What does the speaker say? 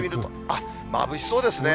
あっ、まぶしそうですね。